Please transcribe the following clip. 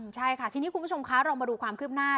ใช่ค่ะที่นี่คุณผู้ชมคะลองมาดูความขึ้มหน้า